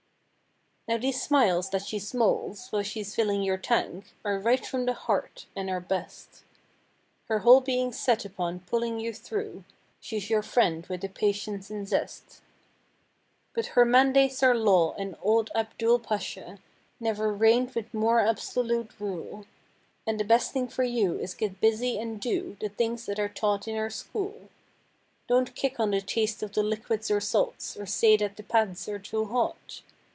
Now these smiles that she "smoles" while she's filling your tank Are right from the heart—and are best. Her whole being's set upon pulling you through— 84 She's your friend with the patience and zest. But her mandates are law, and old Abdul Pasha Never reigned with more absolute rule; And the best thing for you, is get busy and do The things that are taught in her school. Don't kick on the taste of the liquids or salts Or say that the pads are too hot.